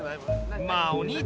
まあお兄ちゃん